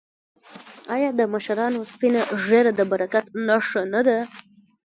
آیا د مشرانو سپینه ږیره د برکت نښه نه ده؟